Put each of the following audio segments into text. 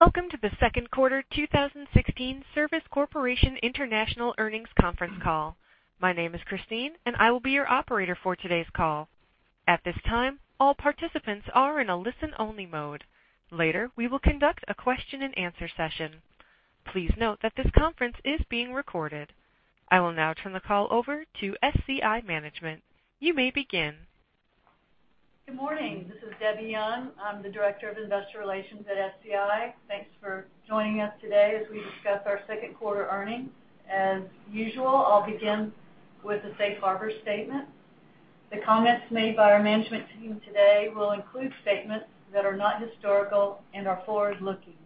Welcome to the second quarter 2016 Service Corporation International earnings conference call. My name is Christine, and I will be your operator for today's call. At this time, all participants are in a listen-only mode. Later, we will conduct a question and answer session. Please note that this conference is being recorded. I will now turn the call over to SCI management. You may begin. Good morning. This is Debbie Young. I'm the Director of Investor Relations at SCI. Thanks for joining us today as we discuss our second quarter earnings. As usual, I'll begin with the safe harbor statement. The comments made by our management team today will include statements that are not historical and are forward-looking.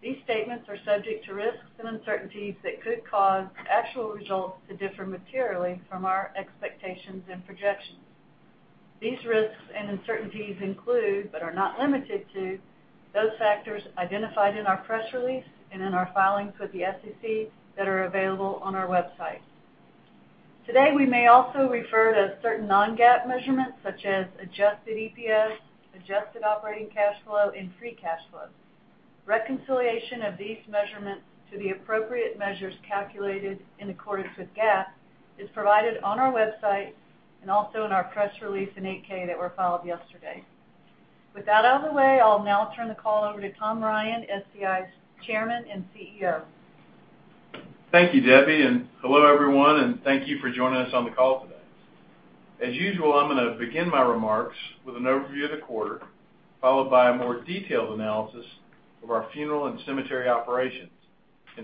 These statements are subject to risks and uncertainties that could cause actual results to differ materially from our expectations and projections. These risks and uncertainties include, but are not limited to, those factors identified in our press release and in our filings with the SEC that are available on our website. Today, we may also refer to certain non-GAAP measurements such as adjusted EPS, adjusted operating cash flow, and free cash flow. Reconciliation of these measurements to the appropriate measures calculated in accordance with GAAP is provided on our website and also in our press release in 8-K that were filed yesterday. With that out of the way, I'll now turn the call over to Tom Ryan, SCI's Chairman and CEO. Thank you, Debbie, and hello everyone, and thank you for joining us on the call today. As usual, I'm going to begin my remarks with an overview of the quarter, followed by a more detailed analysis of our funeral and cemetery operations.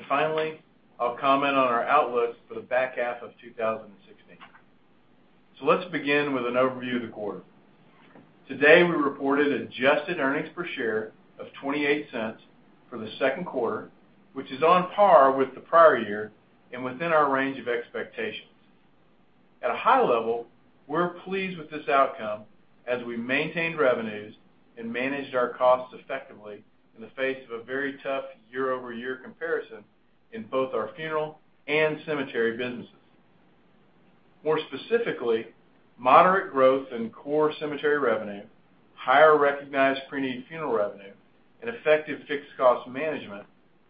Finally, I'll comment on our outlook for the back half of 2016. Let's begin with an overview of the quarter. Today, we reported adjusted earnings per share of $0.28 for the second quarter, which is on par with the prior year and within our range of expectations. At a high level, we're pleased with this outcome as we maintained revenues and managed our costs effectively in the face of a very tough year-over-year comparison in both our funeral and cemetery businesses. More specifically, moderate growth in core cemetery revenue, higher recognized preneed funeral revenue, and effective fixed cost management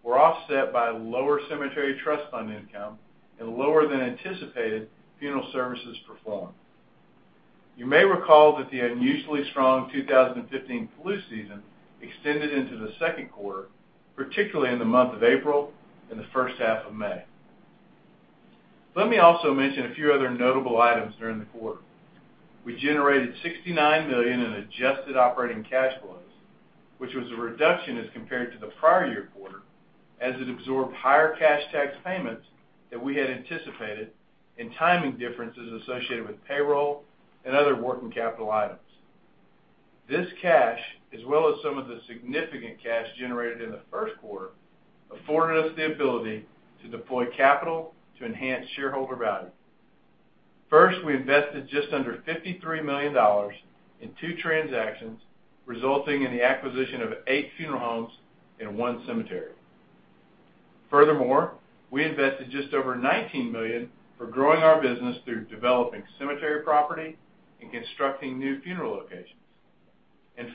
were offset by lower cemetery trust fund income and lower than anticipated funeral services performed. You may recall that the unusually strong 2015 flu season extended into the second quarter, particularly in the month of April and the first half of May. Let me also mention a few other notable items during the quarter. We generated $69 million in adjusted operating cash flows, which was a reduction as compared to the prior year quarter as it absorbed higher cash tax payments that we had anticipated and timing differences associated with payroll and other working capital items. This cash, as well as some of the significant cash generated in the first quarter, afforded us the ability to deploy capital to enhance shareholder value. First, we invested just under $53 million in two transactions, resulting in the acquisition of eight funeral homes and one cemetery. Furthermore, we invested just over $19 million for growing our business through developing cemetery property and constructing new funeral locations.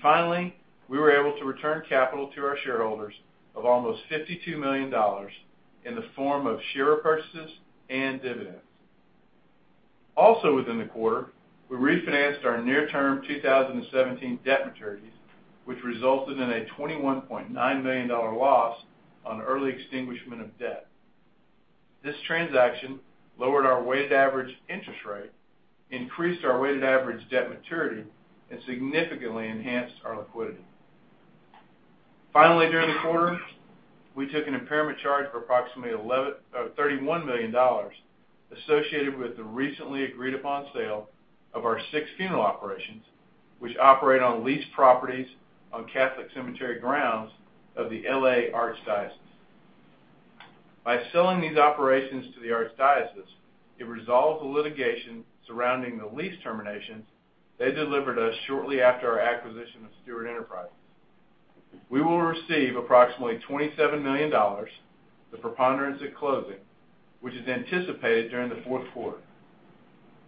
Finally, we were able to return capital to our shareholders of almost $52 million in the form of share purchases and dividends. Also within the quarter, we refinanced our near-term 2017 debt maturities, which resulted in a $21.9 million loss on early extinguishment of debt. This transaction lowered our weighted average interest rate, increased our weighted average debt maturity, and significantly enhanced our liquidity. Finally, during the quarter, we took an impairment charge for approximately $31 million associated with the recently agreed upon sale of our six funeral operations, which operate on leased properties on Catholic cemetery grounds of the L.A. Archdiocese. By selling these operations to the archdiocese, it resolved the litigation surrounding the lease terminations they delivered us shortly after our acquisition of Stewart Enterprises. We will receive approximately $27 million, the preponderance at closing, which is anticipated during the fourth quarter.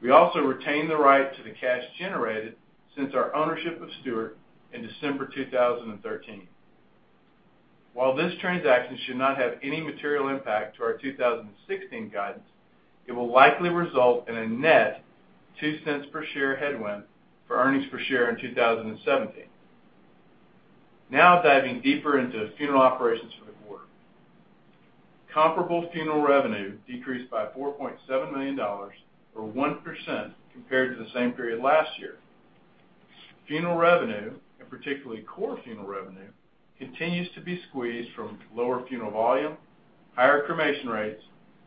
We also retain the right to the cash generated since our ownership of Stewart in December 2013. While this transaction should not have any material impact to our 2016 guidance, it will likely result in a net $0.02 per share headwind for earnings per share in 2017. Now diving deeper into funeral operations for the quarter. Comparable funeral revenue decreased by $4.7 million or 1% compared to the same period last year. Funeral revenue, and particularly core funeral revenue, continues to be squeezed from lower funeral volume, higher cremation rates,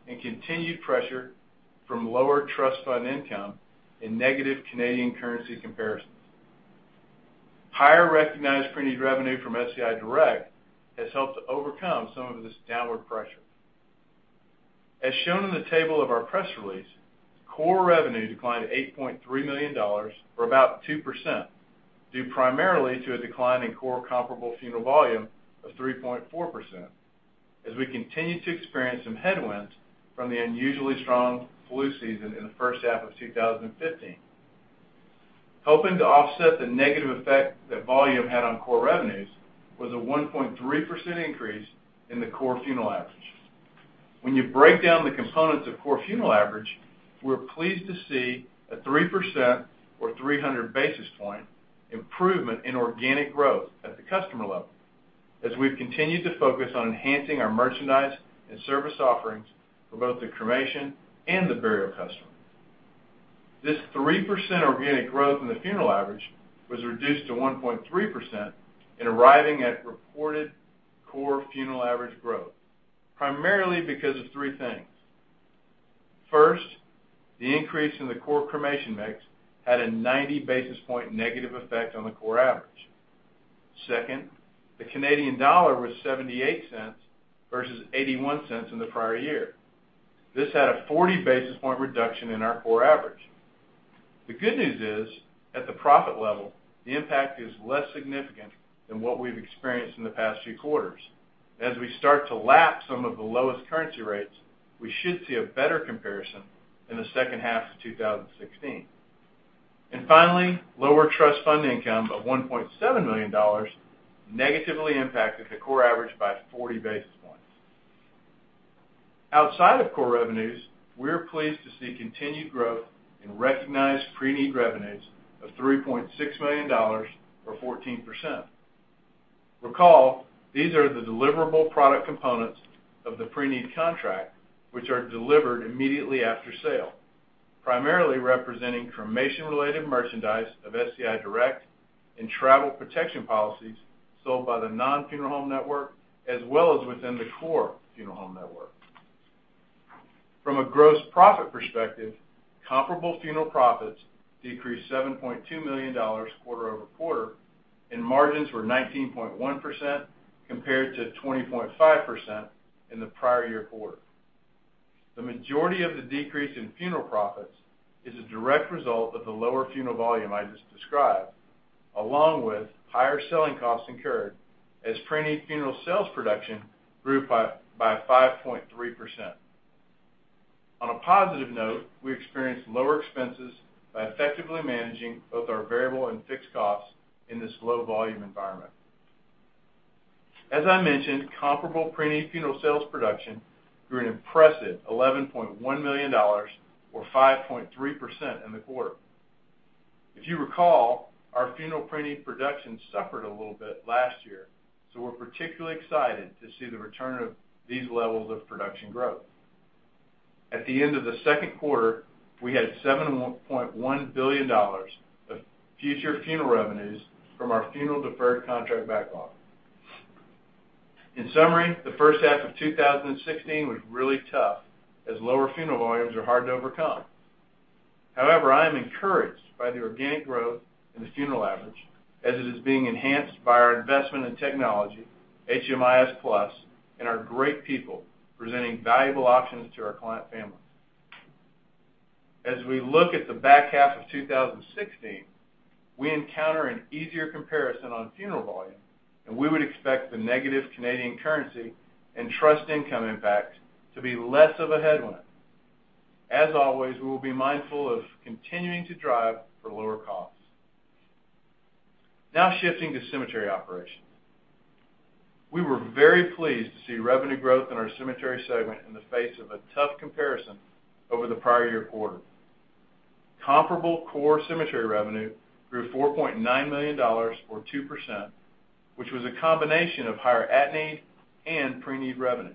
and continued pressure from lower trust fund income and negative Canadian currency comparisons. Higher recognized preneed revenue from SCI Direct has helped to overcome some of this downward pressure. As shown in the table of our press release, core revenue declined $8.3 million or about 2%, due primarily to a decline in core comparable funeral volume of 3.4% as we continue to experience some headwinds from the unusually strong flu season in the first half of 2015. Helping to offset the negative effect that volume had on core revenues was a 1.3% increase in the core funeral average. When you break down the components of core funeral average, we're pleased to see a 3% or 300 basis point improvement in organic growth at the customer level, as we've continued to focus on enhancing our merchandise and service offerings for both the cremation and the burial customer. This 3% organic growth in the funeral average was reduced to 1.3% in arriving at reported core funeral average growth, primarily because of three things. First, the increase in the core cremation mix had a 90 basis point negative effect on the core average. Second, the Canadian dollar was $0.78 versus $0.81 in the prior year. This had a 40 basis point reduction in our core average. The good news is, at the profit level, the impact is less significant than what we've experienced in the past few quarters. As we start to lap some of the lowest currency rates, we should see a better comparison in the second half of 2016. Finally, lower trust fund income of $1.7 million negatively impacted the core average by 40 basis points. Outside of core revenues, we're pleased to see continued growth in recognized preneed revenues of $3.6 million or 14%. Recall, these are the deliverable product components of the preneed contract, which are delivered immediately after sale, primarily representing cremation-related merchandise of SCI Direct and travel protection policies sold by the non-funeral home network as well as within the core funeral home network. From a gross profit perspective, comparable funeral profits decreased $7.2 million quarter-over-quarter, and margins were 19.1% compared to 20.5% in the prior year quarter. The majority of the decrease in funeral profits is a direct result of the lower funeral volume I just described, along with higher selling costs incurred as preneed funeral sales production grew by 5.3%. On a positive note, we experienced lower expenses by effectively managing both our variable and fixed costs in this low volume environment. As I mentioned, comparable preneed funeral sales production grew an impressive $11.1 million or 5.3% in the quarter. If you recall, our funeral preneed production suffered a little bit last year, so we're particularly excited to see the return of these levels of production growth. At the end of the second quarter, we had $7.1 billion of future funeral revenues from our funeral deferred contract backlog. In summary, the first half of 2016 was really tough, as lower funeral volumes are hard to overcome. However, I am encouraged by the organic growth in the funeral average, as it is being enhanced by our investment in technology, HMIS+, and our great people presenting valuable options to our client families. As we look at the back half of 2016, we encounter an easier comparison on funeral volume, and we would expect the negative Canadian currency and trust income impact to be less of a headwind. As always, we will be mindful of continuing to drive for lower costs. Shifting to cemetery operations. We were very pleased to see revenue growth in our cemetery segment in the face of a tough comparison over the prior year quarter. Comparable core cemetery revenue grew $4.9 million or 2%, which was a combination of higher at-need and preneed revenue.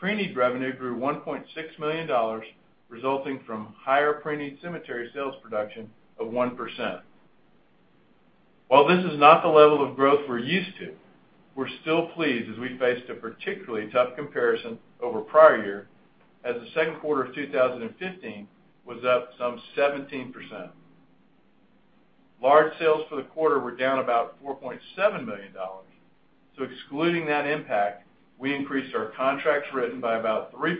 Preneed revenue grew $1.6 million, resulting from higher preneed cemetery sales production of 1%. While this is not the level of growth we're used to, we're still pleased as we faced a particularly tough comparison over prior year as the second quarter of 2015 was up some 17%. Large sales for the quarter were down about $4.7 million. Excluding that impact, we increased our contracts written by about 3%,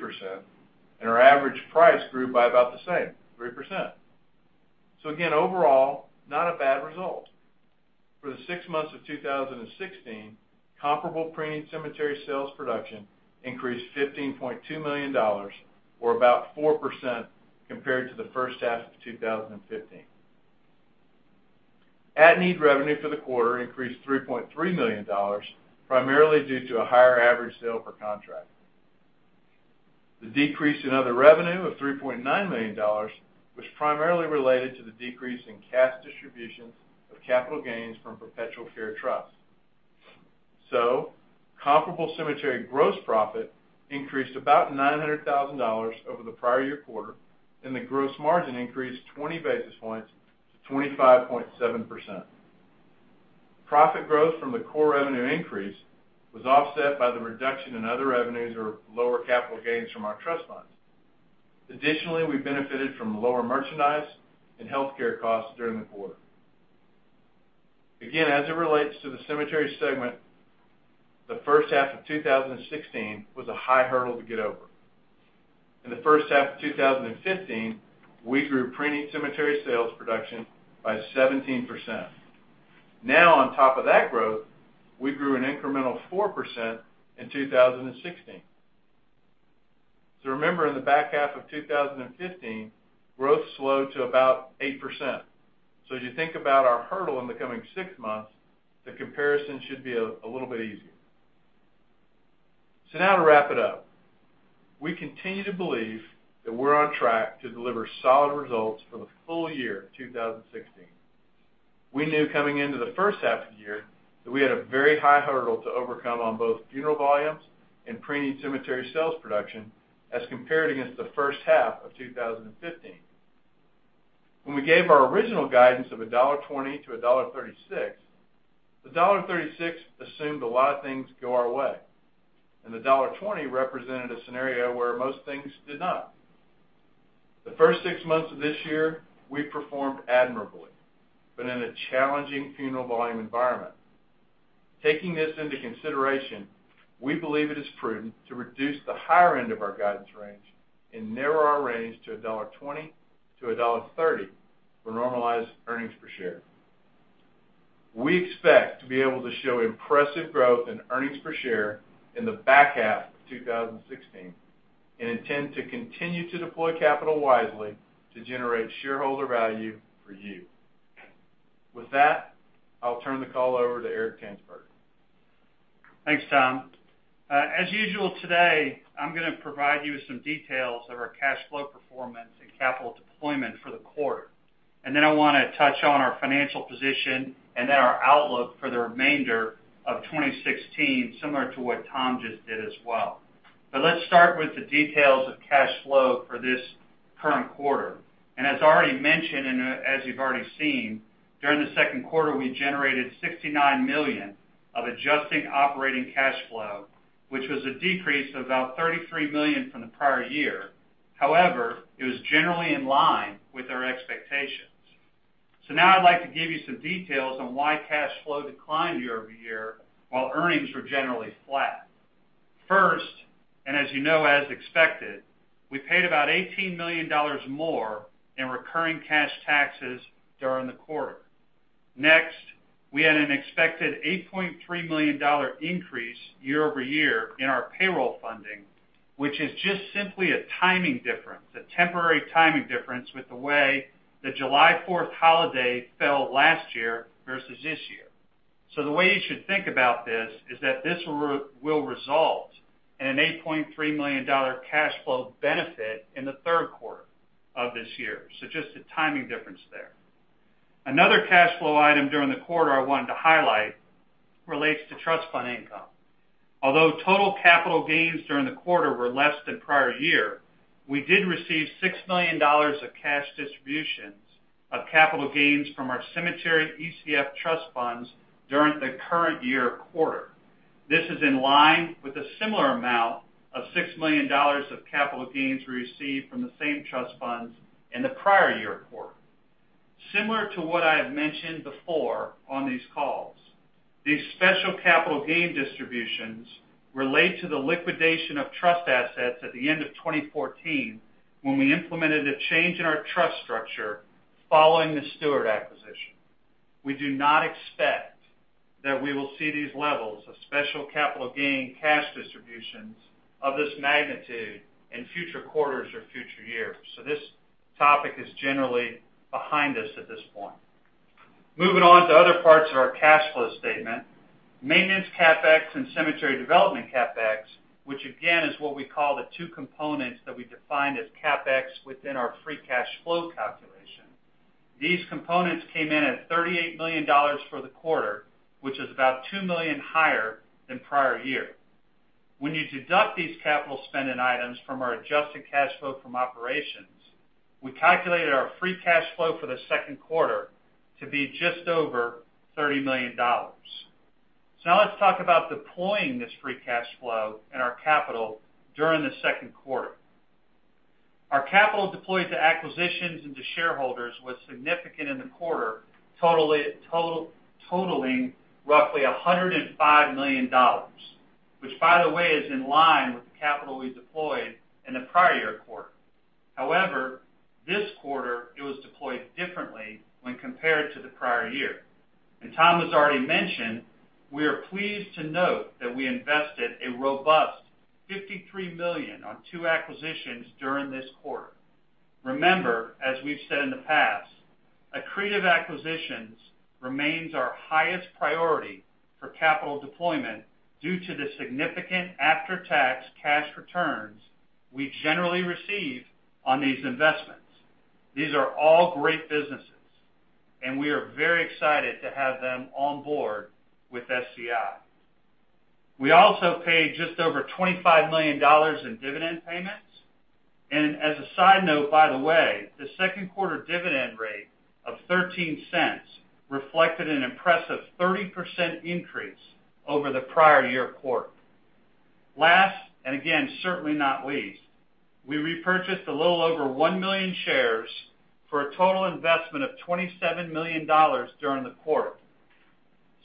and our average price grew by about the same, 3%. Again, overall, not a bad result. For the six months of 2016, comparable preneed cemetery sales production increased $15.2 million or about 4% compared to the first half of 2015. At-need revenue for the quarter increased $3.3 million, primarily due to a higher average sale per contract. The decrease in other revenue of $3.9 million was primarily related to the decrease in cash distributions of capital gains from perpetual care trusts. Comparable cemetery gross profit increased about $900,000 over the prior year quarter, and the gross margin increased 20 basis points to 25.7%. Profit growth from the core revenue increase was offset by the reduction in other revenues or lower capital gains from our trust funds. Additionally, we benefited from lower merchandise and healthcare costs during the quarter. Again, as it relates to the cemetery segment, the first half of 2016 was a high hurdle to get over. In the first half of 2015, we grew preneed cemetery sales production by 17%. On top of that growth, we grew an incremental 4% in 2016. Remember, in the back half of 2015, growth slowed to about 8%. As you think about our hurdle in the coming six months, the comparison should be a little bit easier. To wrap it up, we continue to believe that we're on track to deliver solid results for the full year 2016. We knew coming into the first half of the year that we had a very high hurdle to overcome on both funeral volumes and preneed cemetery sales production as compared against the first half of 2015. When we gave our original guidance of $1.20 to $1.36, the $1.36 assumed a lot of things go our way, and the $1.20 represented a scenario where most things did not. The first six months of this year, we performed admirably but in a challenging funeral volume environment. Taking this into consideration, we believe it is prudent to reduce the higher end of our guidance range and narrow our range to $1.20 to $1.30 for normalized earnings per share. We expect to be able to show impressive growth in earnings per share in the back half of 2016 and intend to continue to deploy capital wisely to generate shareholder value for you. With that, I'll turn the call over to Eric Tanzberger. Thanks, Tom. As usual, today, I'm going to provide you with some details of our cash flow performance and capital deployment for the quarter. I want to touch on our financial position and our outlook for the remainder of 2016, similar to what Tom just did as well. Let's start with the details of cash flow for this current quarter. As already mentioned and as you've already seen, during the second quarter, we generated $69 million of adjusted operating cash flow, which was a decrease of about $33 million from the prior year. However, it was generally in line with our expectations. Now I'd like to give you some details on why cash flow declined year-over-year while earnings were generally flat. First, as you know, as expected, we paid about $18 million more in recurring cash taxes during the quarter. Next, we had an expected $8.3 million increase year-over-year in our payroll funding, which is just simply a timing difference, a temporary timing difference with the way the July 4th holiday fell last year versus this year. The way you should think about this is that this will result in an $8.3 million cash flow benefit in the third quarter of this year. Just a timing difference there. Another cash flow item during the quarter I wanted to highlight relates to trust fund income. Although total capital gains during the quarter were less than prior year, we did receive $6 million of cash distributions of capital gains from our cemetery ECF trust funds during the current year quarter. This is in line with a similar amount of $6 million of capital gains we received from the same trust funds in the prior year quarter. Similar to what I have mentioned before on these calls, these special capital gain distributions relate to the liquidation of trust assets at the end of 2014 when we implemented a change in our trust structure following the Stewart acquisition. We do not expect that we will see these levels of special capital gain cash distributions of this magnitude in future quarters or future years. This topic is generally behind us at this point. Moving on to other parts of our cash flow statement, maintenance CapEx and cemetery development CapEx, which again is what we call the two components that we defined as CapEx within our free cash flow calculation. These components came in at $38 million for the quarter, which is about $2 million higher than prior year. When you deduct these capital spending items from our adjusted cash flow from operations, we calculated our free cash flow for the second quarter to be just over $30 million. Now let's talk about deploying this free cash flow and our capital during the second quarter. Our capital deployed to acquisitions and to shareholders was significant in the quarter, totaling roughly $105 million, which, by the way, is in line with the capital we deployed in the prior year quarter. However, this quarter it was deployed differently when compared to the prior year. Tom has already mentioned, we are pleased to note that we invested a robust $53 million on two acquisitions during this quarter. Remember, as we've said in the past, accretive acquisitions remains our highest priority for capital deployment due to the significant after-tax cash returns we generally receive on these investments. These are all great businesses, we are very excited to have them on board with SCI. We also paid just over $25 million in dividend payments. As a side note, by the way, the second quarter dividend rate of $0.13 reflected an impressive 30% increase over the prior year quarter. Last, again, certainly not least, we repurchased a little over 1 million shares for a total investment of $27 million during the quarter.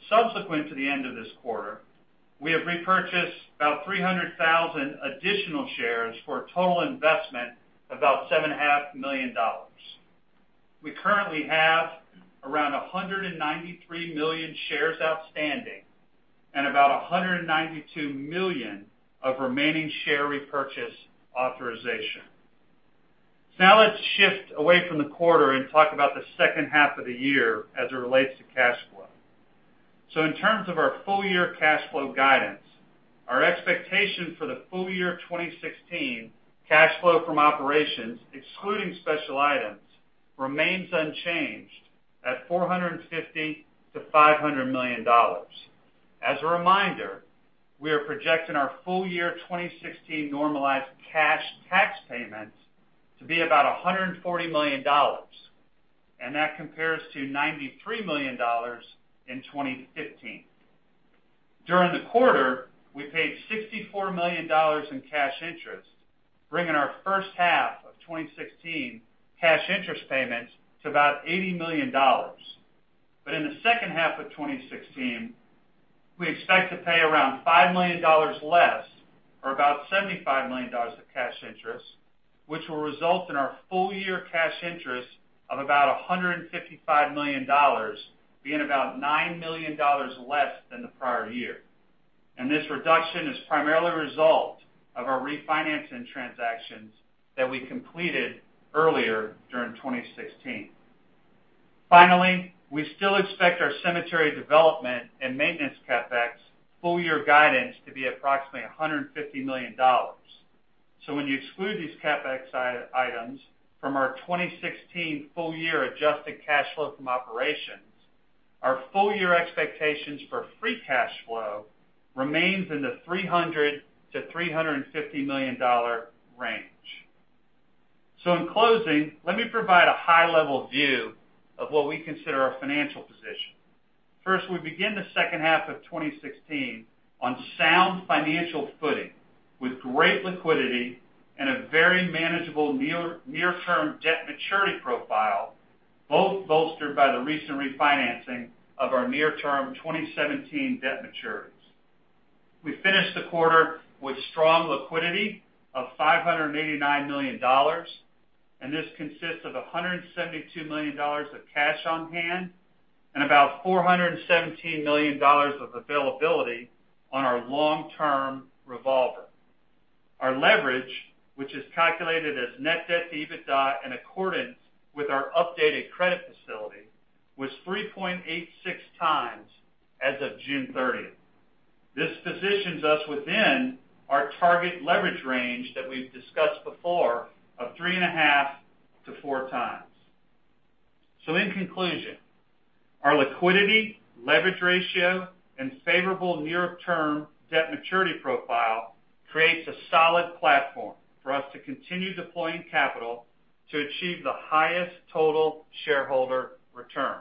Subsequent to the end of this quarter, we have repurchased about 300,000 additional shares for a total investment of about $7.5 million. We currently have around 193 million shares outstanding and about 192 million of remaining share repurchase authorization. Now let's shift away from the quarter and talk about the second half of the year as it relates to cash flow. In terms of our full year cash flow guidance, our expectation for the full year 2016 cash flow from operations, excluding special items, remains unchanged at $450 million-$500 million. As a reminder, we are projecting our full year 2016 normalized cash tax payments to be about $140 million, that compares to $93 million in 2015. During the quarter, we paid $64 million in cash interest, bringing our first half of 2016 cash interest payments to about $80 million. In the second half of 2016, we expect to pay around $5 million less or about $75 million of cash interest, which will result in our full year cash interest of about $155 million, being about $9 million less than the prior year. This reduction is primarily a result of our refinancing transactions that we completed earlier during 2016. Finally, we still expect our cemetery development and maintenance CapEx full year guidance to be approximately $150 million. When you exclude these CapEx items from our 2016 full year adjusted cash flow from operations, our full year expectations for free cash flow remains in the $300 million-$350 million range. In closing, let me provide a high level view of what we consider our financial position. First, we begin the second half of 2016 on sound financial footing with great liquidity and a very manageable near-term debt maturity profile, both bolstered by the recent refinancing of our near-term 2017 debt maturities. We finished the quarter with strong liquidity of $589 million, this consists of $172 million of cash on hand and about $417 million of availability on our long-term revolver. Our leverage, which is calculated as net debt to EBITDA in accordance with our updated credit facility, was 3.86 times as of June 30th. This positions us within our target leverage range that we've discussed before of 3.5-4 times. In conclusion, our liquidity, leverage ratio, and favorable near-term debt maturity profile creates a solid platform for us to continue deploying capital to achieve the highest total shareholder return.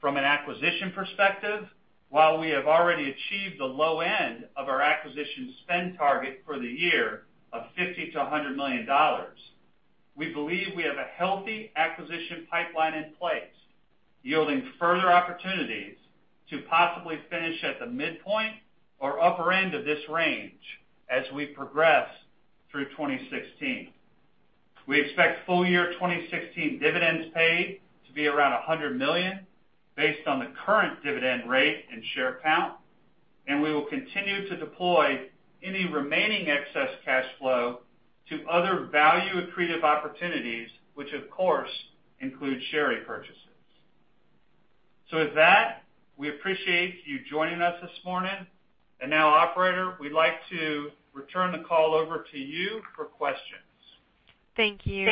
From an acquisition perspective, while we have already achieved the low end of our acquisition spend target for the year of $50 million-$100 million, we believe we have a healthy acquisition pipeline in place, yielding further opportunities to possibly finish at the midpoint or upper end of this range as we progress through 2016. We expect full year 2016 dividends paid to be around $100 million based on the current dividend rate and share count, we will continue to deploy any remaining excess cash flow to other value-accretive opportunities, which of course include share repurchases. With that, we appreciate you joining us this morning. Now, operator, we'd like to return the call over to you for questions. Thank you.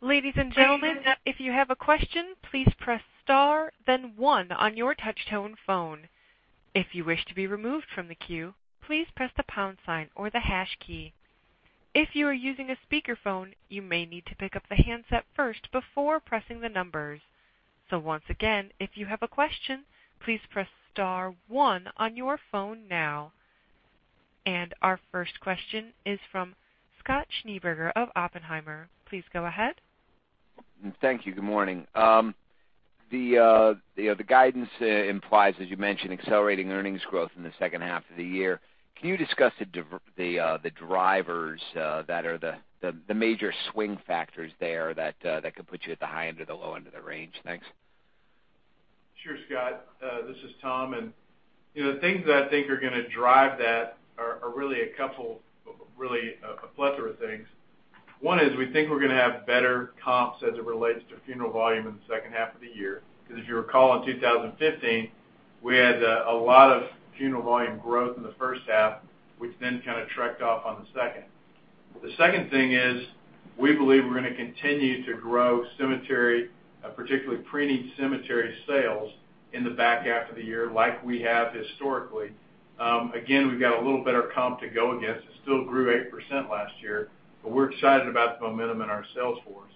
Ladies and gentlemen, if you have a question, please press star then one on your touch-tone phone. If you wish to be removed from the queue, please press the pound sign or the hash key. If you are using a speakerphone, you may need to pick up the handset first before pressing the numbers. Once again, if you have a question, please press star one on your phone now. Our first question is from Scott Schneeberger of Oppenheimer. Please go ahead. Thank you. Good morning. The guidance implies, as you mentioned, accelerating earnings growth in the second half of the year. Can you discuss the drivers that are the major swing factors there that could put you at the high end or the low end of the range? Thanks. Sure, Scott. This is Tom, the things that I think are going to drive that are really a plethora of things. One is we think we're going to have better comps as it relates to funeral volume in the second half of the year. Because if you recall, in 2015, we had a lot of funeral volume growth in the first half, which then kind of trekked off on the second. The second thing is we believe we're going to continue to grow cemetery, particularly preneed cemetery sales, in the back half of the year like we have historically. Again, we've got a little better comp to go against. It still grew 8% last year, but we're excited about the momentum in our sales force.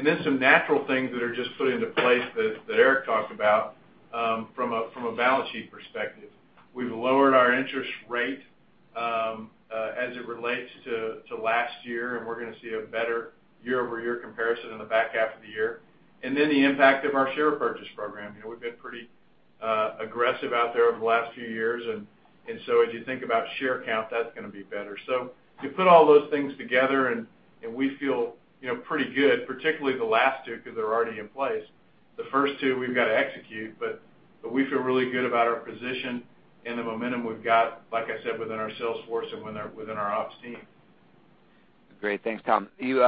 Then some natural things that are just put into place that Eric talked about from a balance sheet perspective. We've lowered our interest rate as it relates to last year, we're going to see a better year-over-year comparison in the back half of the year. The impact of our share purchase program. We've been pretty Aggressive out there over the last few years. As you think about share count, that's going to be better. You put all those things together, and we feel pretty good, particularly the last two, because they're already in place. The first two, we've got to execute, but we feel really good about our position and the momentum we've got, like I said, within our sales force and within our ops team. Great. Thanks, Tom. You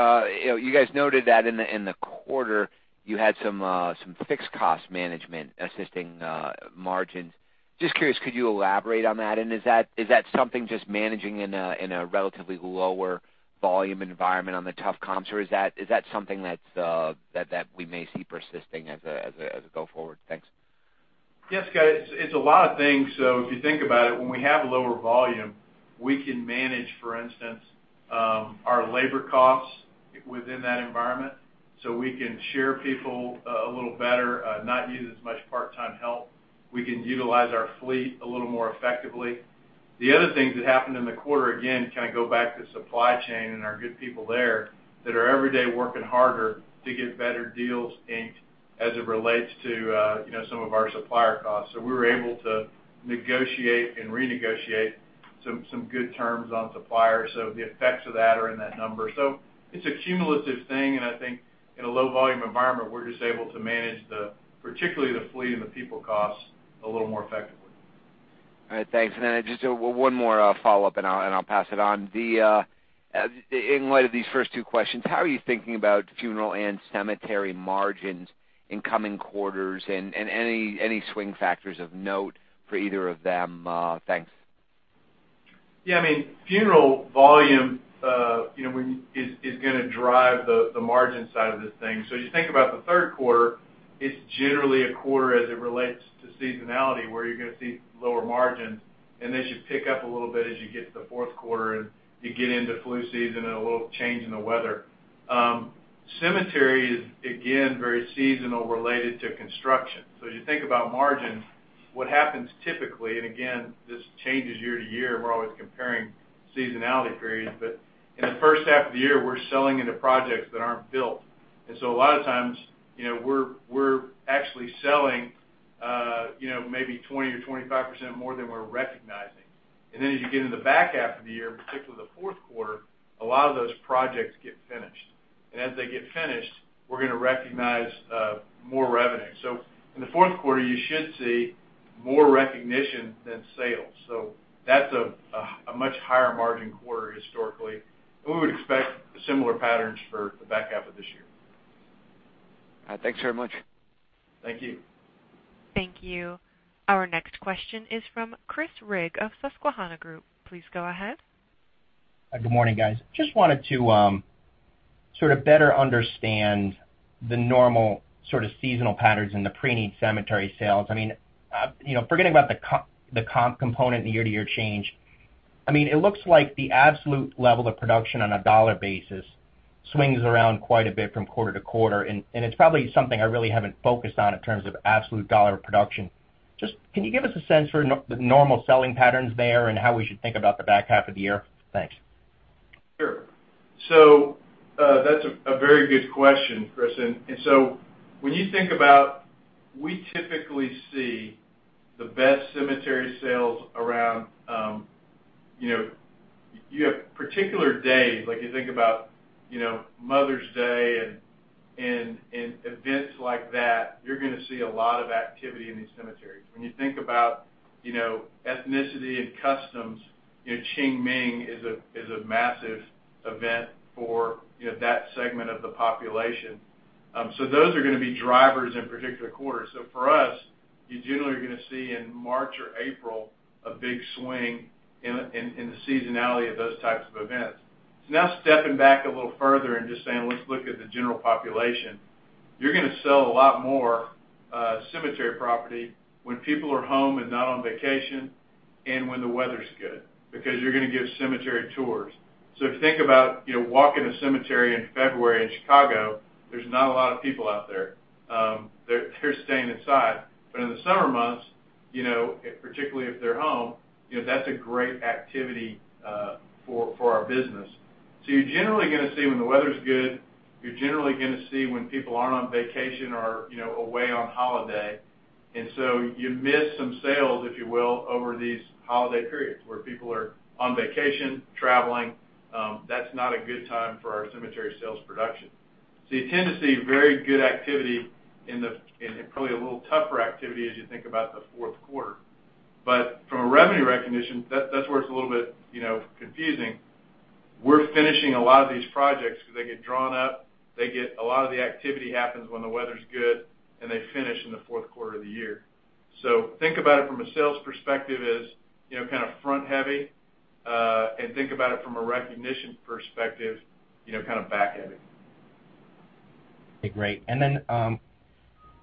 guys noted that in the quarter you had some fixed cost management assisting margins. Just curious, could you elaborate on that? Is that something just managing in a relatively lower volume environment on the tough comps, or is that something that we may see persisting as a go forward? Thanks. Yes, Scott, it's a lot of things. If you think about it, when we have lower volume, we can manage, for instance, our labor costs within that environment, so we can share people a little better, not use as much part-time help. We can utilize our fleet a little more effectively. The other things that happened in the quarter, again, go back to supply chain and our good people there that are every day working harder to get better deals inked as it relates to some of our supplier costs. We were able to negotiate and renegotiate some good terms on suppliers. The effects of that are in that number. It's a cumulative thing, and I think in a low volume environment, we're just able to manage, particularly the fleet and the people costs, a little more effectively. All right. Thanks. Just one more follow-up, and I'll pass it on. In light of these first two questions, how are you thinking about funeral and cemetery margins in coming quarters and any swing factors of note for either of them? Thanks. Yeah. Funeral volume is going to drive the margin side of the thing. As you think about the third quarter, it's generally a quarter as it relates to seasonality, where you're going to see lower margins, and they should pick up a little bit as you get to the fourth quarter and you get into flu season and a little change in the weather. Cemetery is, again, very seasonal related to construction. As you think about margins, what happens typically, and again, this changes year to year, and we're always comparing seasonality periods, but in the first half of the year, we're selling into projects that aren't built. A lot of times, we're actually selling maybe 20% or 25% more than we're recognizing. As you get in the back half of the year, particularly the fourth quarter, a lot of those projects get finished. As they get finished, we're going to recognize more revenue. In the fourth quarter, you should see more recognition than sales. That's a much higher margin quarter historically, and we would expect similar patterns for the back half of this year. Thanks very much. Thank you. Thank you. Our next question is from Chris Rigg of Susquehanna Group. Please go ahead. Good morning, guys. Just wanted to sort of better understand the normal sort of seasonal patterns in the preneed cemetery sales. Forgetting about the comp component and the year-over-year change, it looks like the absolute level of production on a dollar basis swings around quite a bit from quarter-to-quarter, and it's probably something I really haven't focused on in terms of absolute dollar production. Can you give us a sense for the normal selling patterns there and how we should think about the back half of the year? Thanks. Sure. That's a very good question, Chris. When you think about, we typically see the best cemetery sales around. You have particular days, like you think about Mother's Day and events like that, you're going to see a lot of activity in these cemeteries. When you think about ethnicity and customs, Qingming is a massive event for that segment of the population. Those are going to be drivers in particular quarters. For us, you generally are going to see in March or April a big swing in the seasonality of those types of events. Now stepping back a little further and just saying, let's look at the general population. You're going to sell a lot more cemetery property when people are home and not on vacation, and when the weather's good, because you're going to give cemetery tours. If you think about walking a cemetery in February in Chicago, there's not a lot of people out there. They're staying inside. In the summer months, particularly if they're home, that's a great activity for our business. You're generally going to see when the weather's good, you're generally going to see when people aren't on vacation or away on holiday. You miss some sales, if you will, over these holiday periods where people are on vacation, traveling. That's not a good time for our cemetery sales production. You tend to see very good activity and probably a little tougher activity as you think about the fourth quarter. From a revenue recognition, that's where it's a little bit confusing. We're finishing a lot of these projects because they get drawn up. A lot of the activity happens when the weather's good, and they finish in the fourth quarter of the year. Think about it from a sales perspective as kind of front heavy, and think about it from a recognition perspective, kind of back heavy. Okay, great.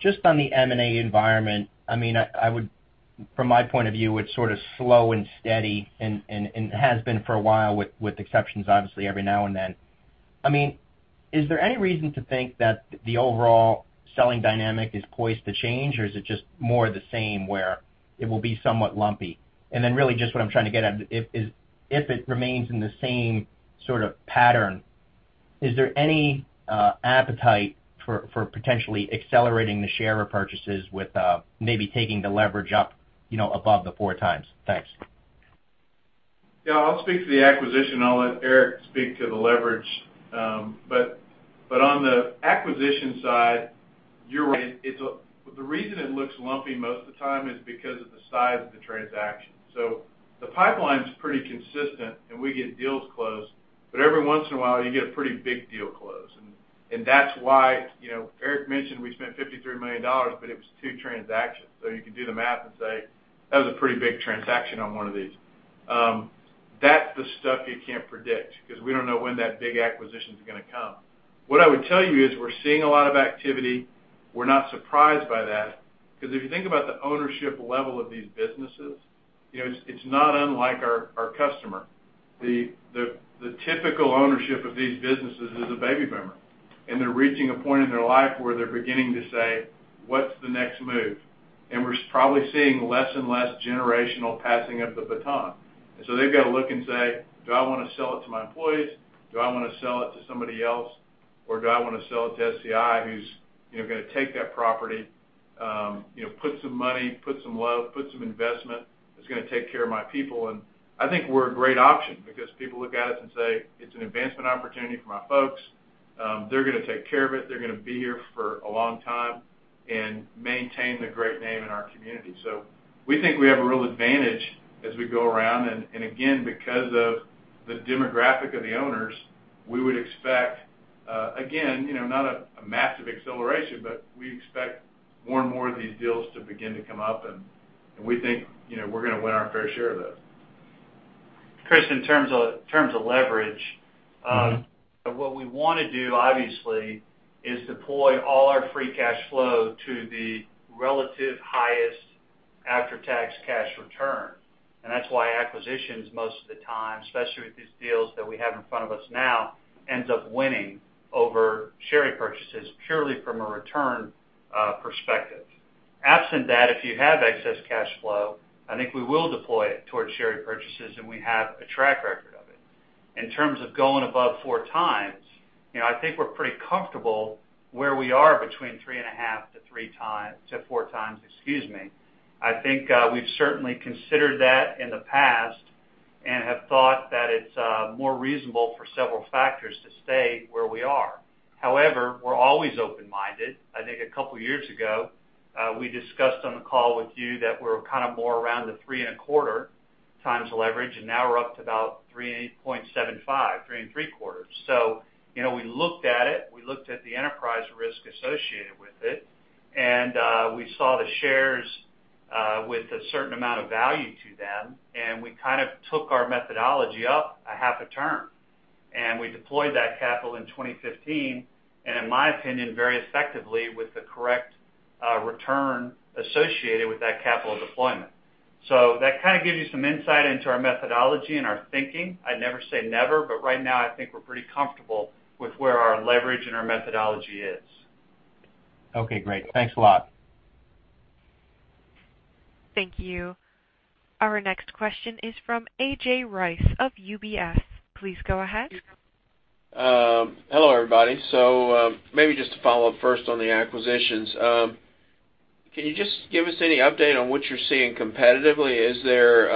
Just on the M&A environment, from my point of view, it's sort of slow and steady and has been for a while with exceptions, obviously, every now and then. Is there any reason to think that the overall selling dynamic is poised to change, or is it just more the same where it will be somewhat lumpy? Really just what I'm trying to get at is if it remains in the same sort of pattern Is there any appetite for potentially accelerating the share repurchases with maybe taking the leverage up above the 4x? Thanks. Yeah. I'll speak to the acquisition, I'll let Eric speak to the leverage. On the acquisition side, you're right. The reason it looks lumpy most of the time is because of the size of the transaction. The pipeline's pretty consistent, and we get deals closed, but every once in a while you get a pretty big deal closed. That's why, Eric mentioned we spent $53 million, but it was two transactions. You can do the math and say, "That was a pretty big transaction on one of these." That's the stuff you can't predict, because we don't know when that big acquisition's going to come. What I would tell you is we're seeing a lot of activity. We're not surprised by that, because if you think about the ownership level of these businesses, it's not unlike our customer. The typical ownership of these businesses is a baby boomer. They're reaching a point in their life where they're beginning to say, "What's the next move?" We're probably seeing less and less generational passing of the baton. They've got to look and say, "Do I want to sell it to my employees? Do I want to sell it to somebody else? Or do I want to sell it to SCI, who's going to take that property, put some money, put some love, put some investment, that's going to take care of my people?" I think we're a great option because people look at us and say, "It's an advancement opportunity for my folks. They're going to take care of it. They're going to be here for a long time and maintain the great name in our community." We think we have a real advantage as we go around. Again, because of the demographic of the owners, we would expect, again, not a massive acceleration, but we expect more and more of these deals to begin to come up. We think we're going to win our fair share of those. Chris, in terms of leverage- What we want to do, obviously, is deploy all our free cash flow to the relative highest after-tax cash return. That's why acquisitions, most of the time, especially with these deals that we have in front of us now, ends up winning over share repurchases purely from a return perspective. Absent that, if you have excess cash flow, I think we will deploy it towards share repurchases, and we have a track record of it. In terms of going above 4 times, I think we're pretty comfortable where we are between 3.5 to 4 times. I think we've certainly considered that in the past and have thought that it's more reasonable for several factors to stay where we are. However, we're always open-minded. I think a couple of years ago, we discussed on the call with you that we're kind of more around the 3.25 times leverage, and now we're up to about 3.75. We looked at it. We looked at the enterprise risk associated with it. We saw the shares with a certain amount of value to them. We kind of took our methodology up a half a turn, and we deployed that capital in 2015, and in my opinion, very effectively with the correct return associated with that capital deployment. That kind of gives you some insight into our methodology and our thinking. I'd never say never, but right now I think we're pretty comfortable with where our leverage and our methodology is. Okay, great. Thanks a lot. Thank you. Our next question is from A.J. Rice of UBS. Please go ahead. Hello, everybody. Maybe just to follow up first on the acquisitions. Can you just give us any update on what you're seeing competitively? Is there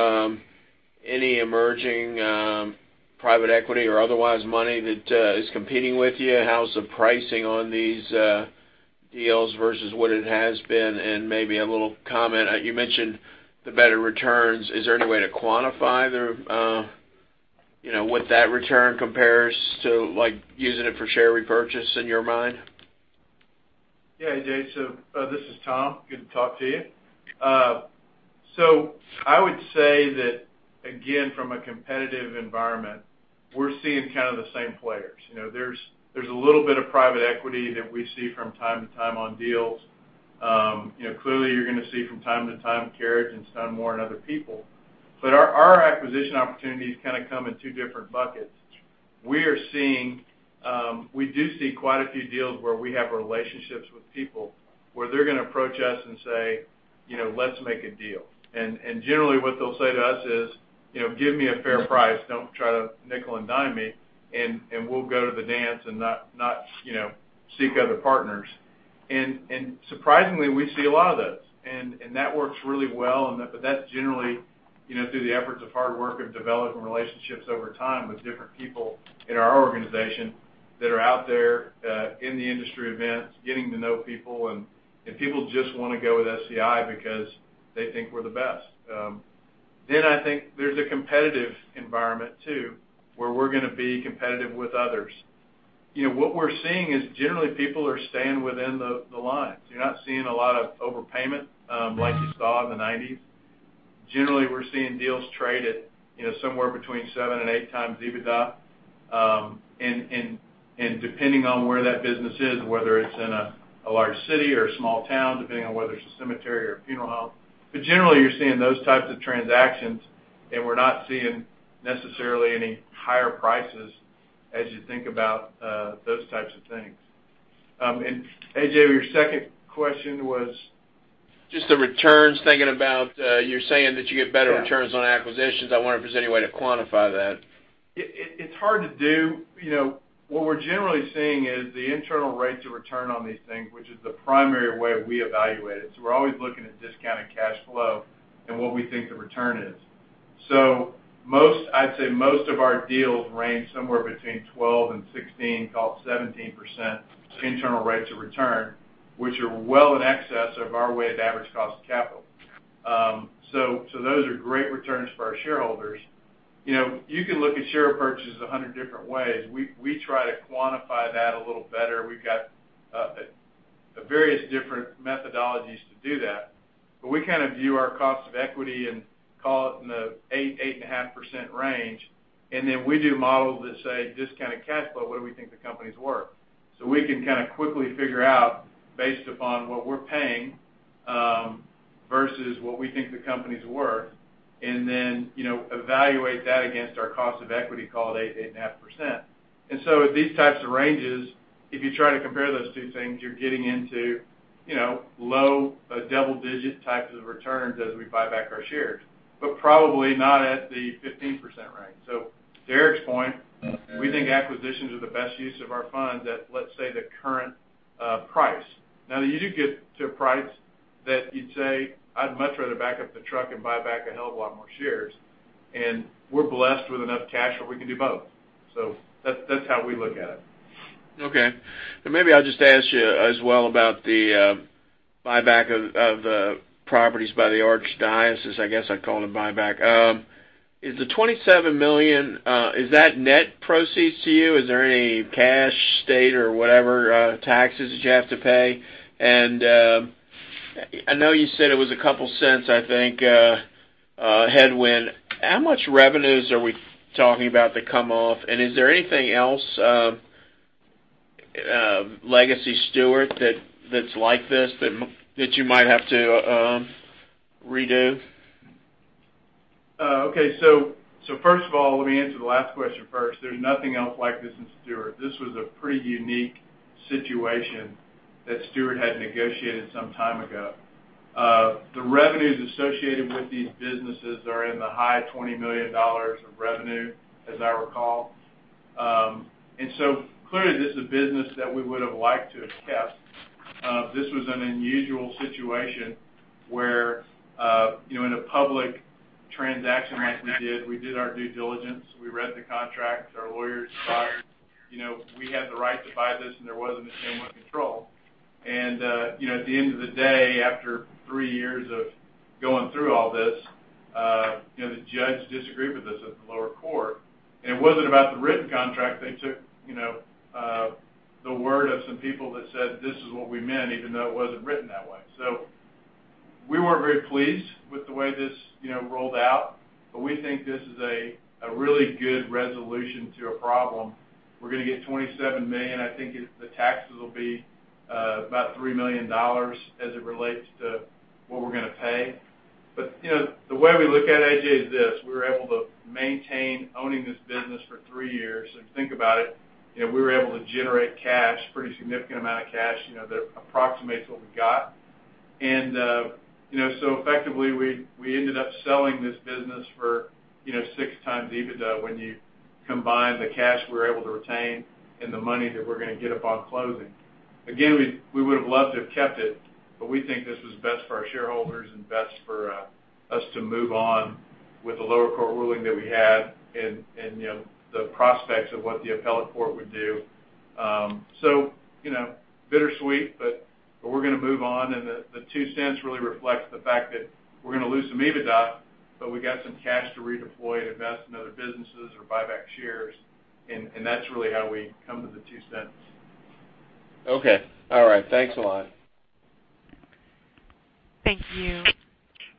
any emerging private equity or otherwise money that is competing with you? How's the pricing on these deals versus what it has been? Maybe a little comment, you mentioned the better returns. Is there any way to quantify what that return compares to, like using it for share repurchase in your mind? AJ. This is Tom. Good to talk to you. I would say that, again, from a competitive environment, we're seeing kind of the same players. There's a little bit of private equity that we see from time to time on deals. Clearly you're going to see from time to time Carriage and StoneMor and other people. Our acquisition opportunities kind of come in two different buckets. We do see quite a few deals where we have relationships with people where they're going to approach us and say, "Let's make a deal." Generally what they'll say to us is, "Give me a fair price. Don't try to nickel and dime me, and we'll go to the dance and not seek other partners." Surprisingly, we see a lot of those. That works really well, that's generally through the efforts of hard work of developing relationships over time with different people in our organization that are out there, in the industry events, getting to know people just want to go with SCI because they think we're the best. I think there's a competitive environment too, where we're going to be competitive with others. What we're seeing is generally people are staying within the lines. You're not seeing a lot of overpayment like you saw in the '90s. Generally, we're seeing deals trade at somewhere between seven and eight times EBITDA. Depending on where that business is, whether it's in a large city or a small town, depending on whether it's a cemetery or a funeral home. Generally, you're seeing those types of transactions, we're not seeing necessarily any higher prices as you think about those types of things. AJ, your second question was? Just the returns, thinking about you're saying that you get better returns on acquisitions. I wonder if there's any way to quantify that. It's hard to do. What we're generally seeing is the internal rates of return on these things, which is the primary way we evaluate it. We're always looking at discounted cash flow and what we think the return is. I'd say most of our deals range somewhere between 12%-16%, call it 17%, internal rates of return, which are well in excess of our weighted average cost of capital. Those are great returns for our shareholders. You can look at share purchases 100 different ways. We try to quantify that a little better. We've got various different methodologies to do that. We view our cost of equity and call it in the 8%-8.5% range, and then we do models that say discounted cash flow, what do we think the company's worth? We can quickly figure out based upon what we're paying, versus what we think the company's worth, and then evaluate that against our cost of equity, call it 8%-8.5%. At these types of ranges, if you try to compare those two things, you're getting into low double-digit types of returns as we buy back our shares, but probably not at the 15% range. To Eric's point, we think acquisitions are the best use of our funds at, let's say, the current price. Now, you do get to a price that you'd say, I'd much rather back up the truck and buy back a hell of a lot more shares. We're blessed with enough cash where we can do both. That's how we look at it. Okay. Maybe I'll just ask you as well about the buyback of the properties by the Archdiocese, I guess I'd call it a buyback. Is the $27 million, is that net proceeds to you? Is there any cash state or whatever, taxes that you have to pay? I know you said it was a couple of cents, I think, headwind. How much revenues are we talking about that come off, and is there anything else legacy Stewart that's like this that you might have to redo? Okay. First of all, let me answer the last question first. There's nothing else like this in Stewart. This was a pretty unique situation that Stewart had negotiated some time ago. The revenues associated with these businesses are in the high $20 million of revenue, as I recall. Clearly, this is a business that we would've liked to have kept. This was an unusual situation where in a public transaction like we did, we did our due diligence. We read the contracts, our lawyers we had the right to buy this, and there was an issue with control. At the end of the day, after three years of going through all this, the judge disagreed with us at the lower court, it wasn't about the written contract. They took the word of some people that said, "This is what we meant," even though it wasn't written that way. We weren't very pleased with the way this rolled out, but we think this is a really good resolution to a problem. We're going to get $27 million. I think the taxes will be about $3 million as it relates to what we're going to pay. The way we look at it, A.J., is this, we were able to maintain owning this business for three years. If you think about it, we were able to generate cash, a pretty significant amount of cash, that approximates what we got. Effectively, we ended up selling this business for 6x EBITDA when you combine the cash we were able to retain and the money that we're going to get upon closing. Again, we would've loved to have kept it, but we think this was best for our shareholders and best for us to move on with the lower court ruling that we had and the prospects of what the appellate court would do. Bittersweet, but we're going to move on, and the $0.02 really reflects the fact that we're going to lose some EBITDA, but we got some cash to redeploy and invest in other businesses or buy back shares, and that's really how we come to the $0.02. Okay. All right. Thanks a lot. Thank you.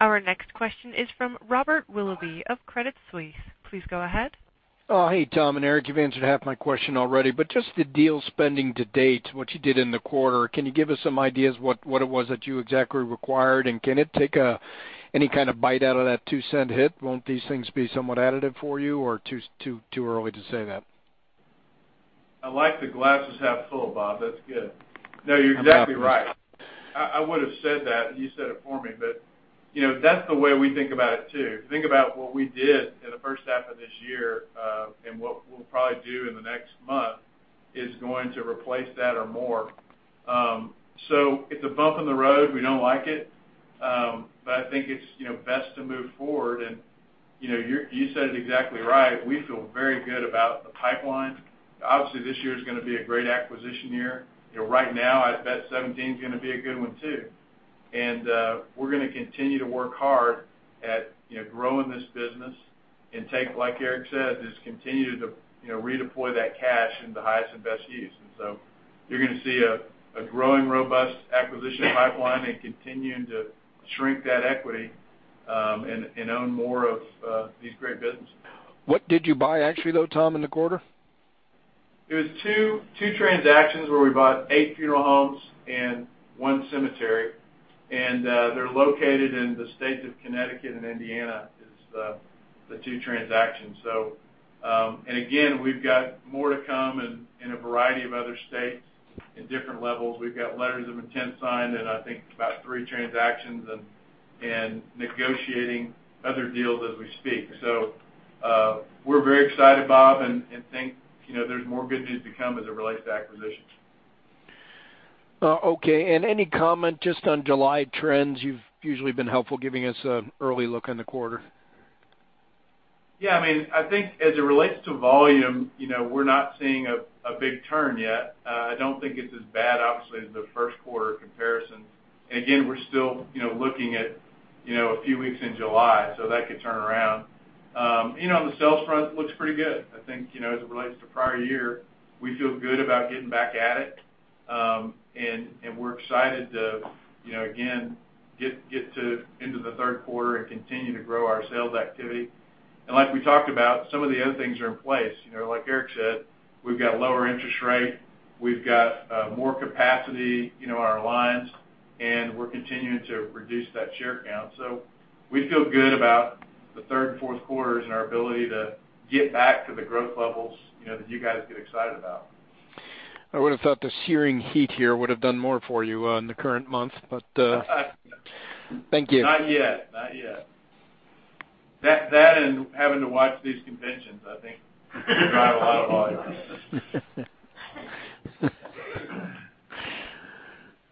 Our next question is from Robert Willoughby of Credit Suisse. Please go ahead. Oh, hey, Tom and Eric. You've answered half my question already. Just the deal spending to date, what you did in the quarter, can you give us some ideas what it was that you exactly acquired, and can it take any kind of bite out of that $0.02 hit? Won't these things be somewhat additive for you, or too early to say that? I like the glass is half full, Robert. That's good. You're exactly right. I would've said that, you said it for me, that's the way we think about it, too. Think about what we did in the first half of this year, what we'll probably do in the next month is going to replace that or more. It's a bump in the road. We don't like it. I think it's best to move forward, you said it exactly right. We feel very good about the pipeline. Obviously, this year is going to be a great acquisition year. Right now, I bet 2017 is going to be a good one, too. We're going to continue to work hard at growing this business and take, like Eric says, is continue to redeploy that cash in the highest and best use. You're going to see a growing, robust acquisition pipeline and continuing to shrink that equity, and own more of these great businesses. What did you buy actually, though, Tom, in the quarter? It was two transactions where we bought eight funeral homes and one cemetery, they're located in the states of Connecticut and Indiana are the two transactions. Again, we've got more to come in a variety of other states in different levels. We've got letters of intent signed, I think about three transactions, and negotiating other deals as we speak. We're very excited, Bob, and think there's more good news to come as it relates to acquisitions. Okay. Any comment just on July trends? You've usually been helpful giving us an early look in the quarter. Yeah, I think as it relates to volume, we're not seeing a big turn yet. I don't think it's as bad, obviously, as the first quarter comparison. Again, we're still looking at a few weeks in July. That could turn around. On the sales front, it looks pretty good. I think, as it relates to prior year, we feel good about getting back at it. We're excited to, again, get into the third quarter and continue to grow our sales activity. Like we talked about, some of the other things are in place. Like Eric said, we've got a lower interest rate, we've got more capacity in our lines, and we're continuing to reduce that share count. We feel good about the third and fourth quarters and our ability to get back to the growth levels that you guys get excited about. I would've thought the searing heat here would've done more for you in the current month, but thank you. Not yet. That and having to watch these conventions, I think drive a lot of volume.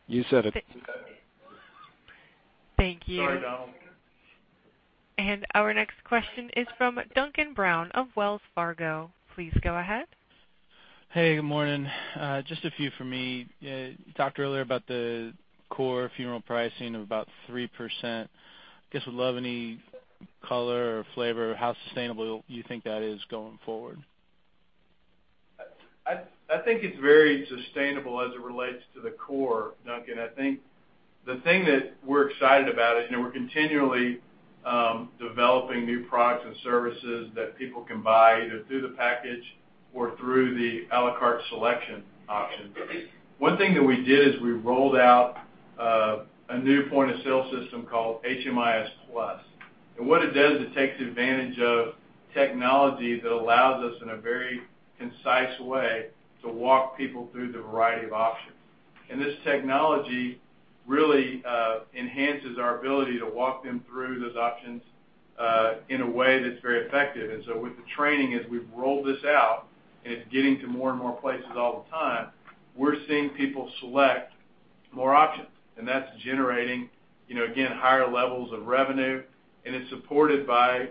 You said it. Thank you. Sorry, Donald. Our next question is from Duncan Brown of Wells Fargo. Please go ahead. Hey, good morning. Just a few from me. You talked earlier about the core funeral pricing of about 3%. I guess I would love any color or flavor how sustainable you think that is going forward. I think it's very sustainable as it relates to the core, Duncan. I think the thing that we're excited about is we're continually developing new products and services that people can buy, either through the package or through the a la carte selection option. One thing that we did is we rolled out a new point-of-sale system called HMIS Plus. What it does is it takes advantage of technology that allows us, in a very concise way, to walk people through the variety of options. This technology really enhances our ability to walk them through those options in a way that's very effective. With the training, as we've rolled this out, and it's getting to more and more places all the time, we're seeing people select more options. That's generating, again, higher levels of revenue, and it's supported by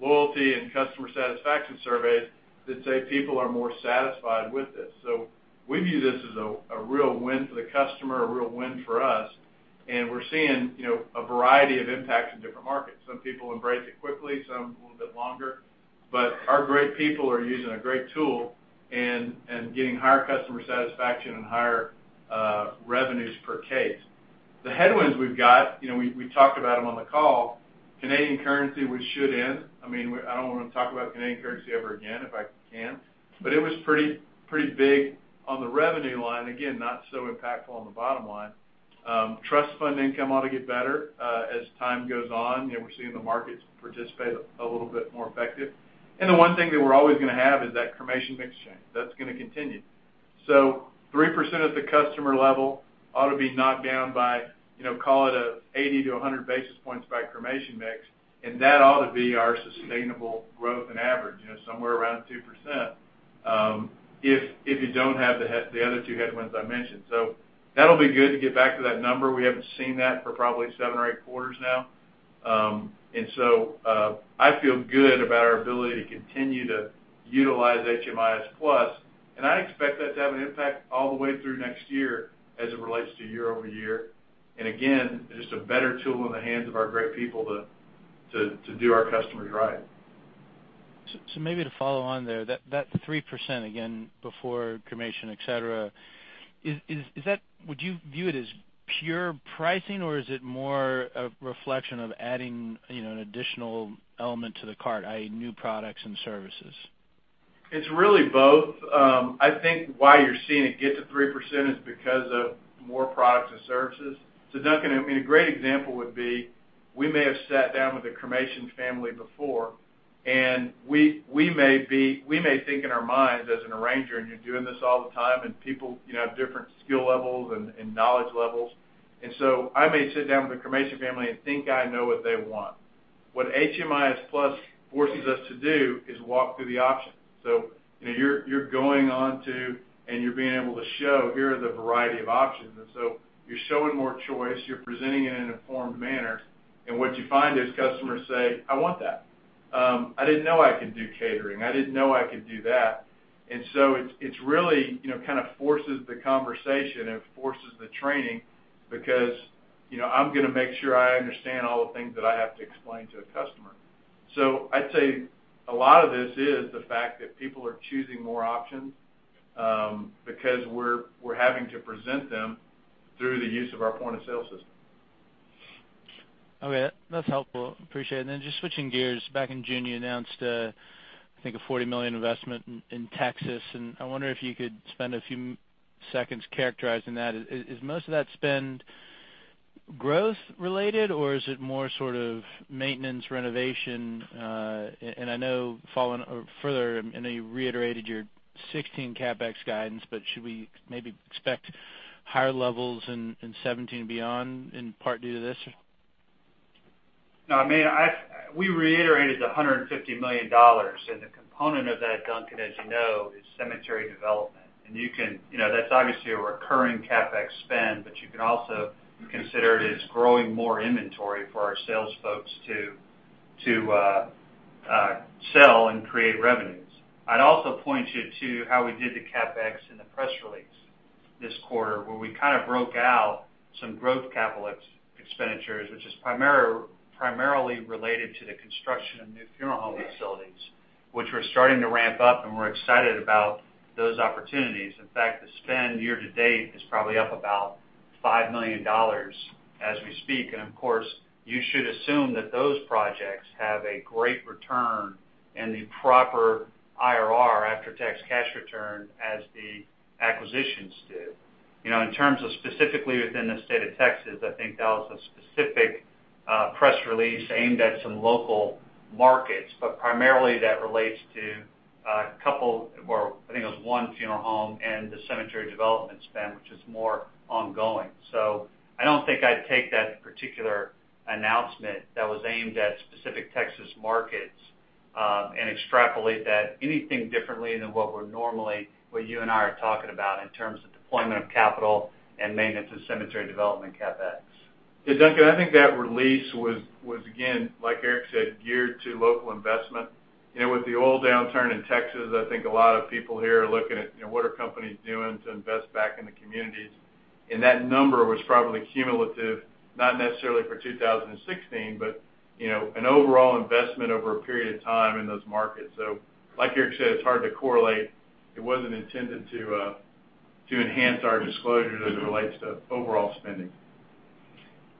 loyalty and customer satisfaction surveys that say people are more satisfied with this. We view this as a real win for the customer, a real win for us, and we're seeing a variety of impacts in different markets. Some people embrace it quickly, some a little bit longer. Our great people are using a great tool and getting higher customer satisfaction and higher revenues per case. The headwinds we've got, we talked about them on the call, Canadian currency, which should end. I don't want to talk about Canadian currency ever again, if I can. It was pretty big on the revenue line. Again, not so impactful on the bottom line. Trust fund income ought to get better as time goes on. We're seeing the markets participate a little bit more effective. The one thing that we're always going to have is that cremation mix change. That's going to continue. 3% at the customer level ought to be knocked down by, call it, 80 to 100 basis points by cremation mix, and that ought to be our sustainable growth and average, somewhere around 2%, if you don't have the other two headwinds I mentioned. That'll be good to get back to that number. We haven't seen that for probably seven or eight quarters now. I feel good about our ability to continue to utilize HMIS Plus, and I expect that to have an impact all the way through next year as it relates to year-over-year. Again, just a better tool in the hands of our great people to do our customers right. Maybe to follow on there, that 3%, again, before cremation, et cetera, would you view it as pure pricing, or is it more a reflection of adding an additional element to the cart, i.e., new products and services? It's really both. I think why you're seeing it get to 3% is because of more products and services. Duncan, a great example would be, we may have sat down with a cremation family before, we may think in our minds as an arranger, you're doing this all the time, people have different skill levels and knowledge levels. I may sit down with a cremation family and think I know what they want. What HMIS Plus forces us to do is walk through the options. You're going on to and you're being able to show here are the variety of options. You're showing more choice, you're presenting it in an informed manner. What you find is customers say, "I want that. I didn't know I could do catering. I didn't know I could do that." It really kind of forces the conversation and forces the training because I'm going to make sure I understand all the things that I have to explain to a customer. I'd say a lot of this is the fact that people are choosing more options because we're having to present them through the use of our point-of-sale system. Okay. That's helpful. Appreciate it. Just switching gears, back in June, you announced I think a $40 million investment in Texas, I wonder if you could spend a few seconds characterizing that. Is most of that spend growth related, or is it more sort of maintenance renovation? I know following further, I know you reiterated your 2016 CapEx guidance, but should we maybe expect higher levels in 2017 and beyond, in part due to this? No, I mean, we reiterated the $150 million. The component of that, Duncan, as you know, is cemetery development. That's obviously a recurring CapEx spend, but you can also consider it as growing more inventory for our sales folks to sell and create revenues. I'd also point you to how we did the CapEx in the press release this quarter, where we kind of broke out some growth capital expenditures, which is primarily related to the construction of new funeral home facilities, which we're starting to ramp up, and we're excited about those opportunities. In fact, the spend year to date is probably up about $5 million as we speak. Of course, you should assume that those projects have a great return and the proper IRR after tax cash return, as the acquisitions do. In terms of specifically within the state of Texas, I think that was a specific press release aimed at some local markets, but primarily that relates to a couple, or I think it was one funeral home and the cemetery development spend, which is more ongoing. I don't think I'd take that particular announcement that was aimed at specific Texas markets, and extrapolate that anything differently than what we're normally, what you and I are talking about in terms of deployment of capital and maintenance of cemetery development CapEx. Yeah, Duncan, I think that release was, again, like Eric said, geared to local investment. With the oil downturn in Texas, I think a lot of people here are looking at what are companies doing to invest back in the communities. That number was probably cumulative, not necessarily for 2016, but an overall investment over a period of time in those markets. Like Eric said, it's hard to correlate. It wasn't intended to enhance our disclosure as it relates to overall spending.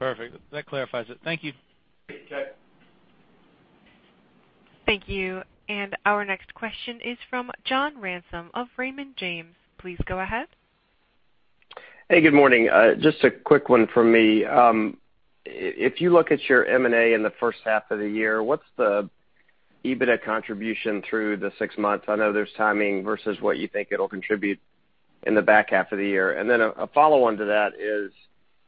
Perfect. That clarifies it. Thank you. Okay. Thank you. Our next question is from John Ransom of Raymond James. Please go ahead. Hey, good morning. Just a quick one from me. If you look at your M&A in the first half of the year, what's the EBITDA contribution through the six months? I know there's timing versus what you think it'll contribute in the back half of the year. Then a follow-on to that is,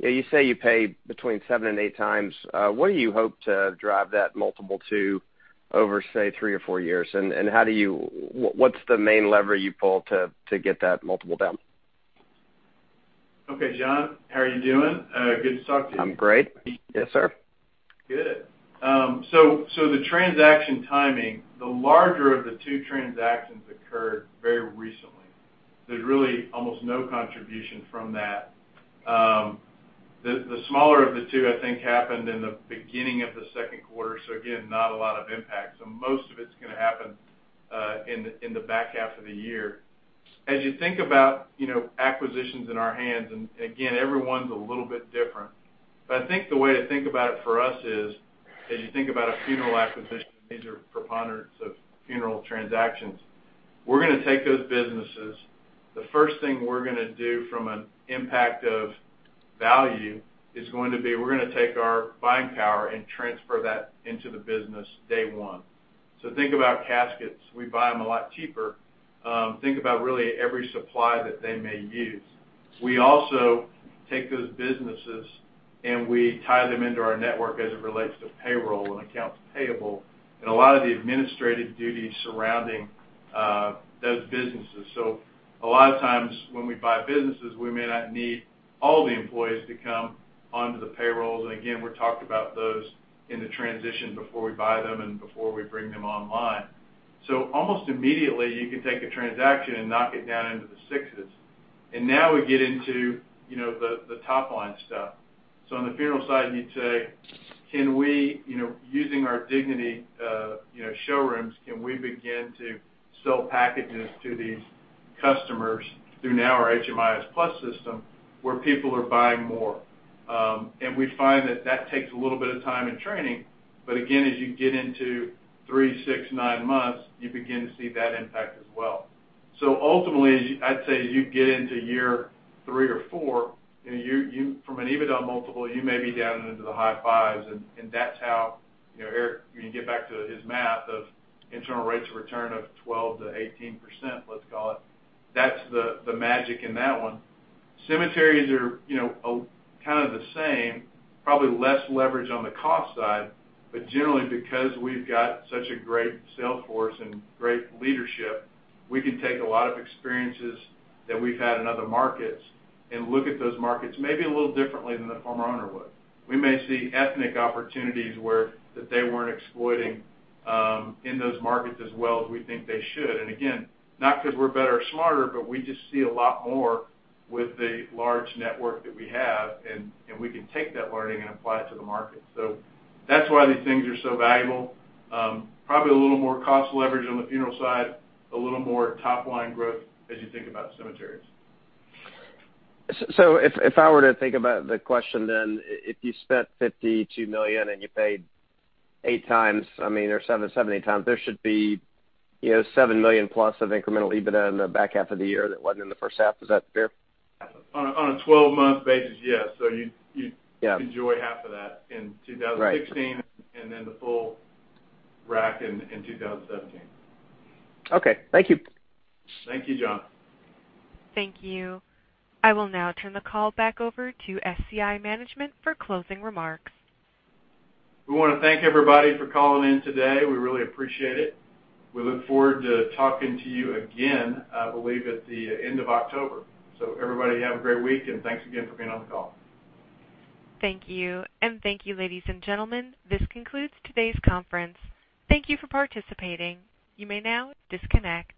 you say you pay between seven and eight times, what do you hope to drive that multiple to over, say, three or four years? What's the main lever you pull to get that multiple down? Okay, John, how are you doing? Good to talk to you. I'm great. Yes, sir. Good. The transaction timing, the larger of the two transactions occurred very recently. There's really almost no contribution from that. The smaller of the two, I think, happened in the beginning of the second quarter. Again, not a lot of impact. Most of it's gonna happen in the back half of the year. As you think about acquisitions in our hands, and again, every one's a little bit different, but I think the way to think about it for us is, as you think about a funeral acquisition, these are preponderance of funeral transactions. We're gonna take those businesses. The first thing we're gonna do from an impact of value is going to be, we're gonna take our buying power and transfer that into the business day one. Think about caskets. We buy them a lot cheaper. Think about really every supply that they may use. We also take those businesses and we tie them into our network as it relates to payroll and accounts payable and a lot of the administrative duties surrounding those businesses. A lot of times when we buy businesses, we may not need all the employees to come onto the payrolls. Again, we talked about those in the transition before we buy them and before we bring them online. Almost immediately, you can take a transaction and knock it down into the sixes. Now we get into the top-line stuff. On the funeral side, you'd say, using our Dignity showrooms, can we begin to sell packages to these customers through now our HMIS Plus system where people are buying more? We find that that takes a little bit of time and training, but again, as you get into three, six, nine months, you begin to see that impact as well. Ultimately, I'd say as you get into year three or four, from an EBITDA multiple, you may be down into the high fives, and that's how Eric, when you get back to his math of internal rates of return of 12%-18%, let's call it, that's the magic in that one. Cemeteries are kind of the same, probably less leverage on the cost side, but generally because we've got such a great sales force and great leadership, we can take a lot of experiences that we've had in other markets and look at those markets maybe a little differently than the former owner would. We may see ethnic opportunities that they weren't exploiting in those markets as well as we think they should. Again, not because we're better or smarter, but we just see a lot more with the large network that we have, and we can take that learning and apply it to the market. That's why these things are so valuable. Probably a little more cost leverage on the funeral side, a little more top-line growth as you think about cemeteries. If I were to think about the question, if you spent $52 million and you paid eight times, I mean there's seven, eight times, there should be $7 million plus of incremental EBITDA in the back half of the year that wasn't in the first half. Is that fair? On a 12-month basis, yes. You'd Yeah enjoy half of that in 2016. Right Then the full rack in 2017. Okay. Thank you. Thank you, John. Thank you. I will now turn the call back over to SCI management for closing remarks. We want to thank everybody for calling in today. We really appreciate it. We look forward to talking to you again, I believe, at the end of October. Everybody have a great week, and thanks again for being on the call. Thank you. Thank you, ladies and gentlemen. This concludes today's conference. Thank you for participating. You may now disconnect.